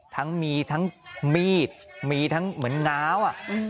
ทั้งมีดเหมือนง้าว